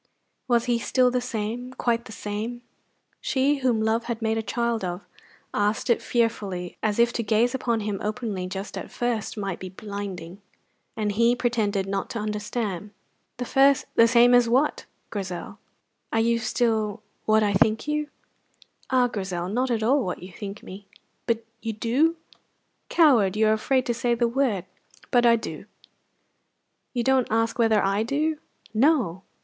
Was he still the same, quite the same? She, whom love had made a child of, asked it fearfully, as if to gaze upon him openly just at first might be blinding; and he pretended not to understand. "The same as what, Grizel?" "Are you still what I think you?" "Ah, Grizel, not at all what you think me." "But you do?" "Coward! You are afraid to say the word. But I do!" "You don't ask whether I do!" "No."